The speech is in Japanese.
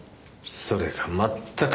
それが全く。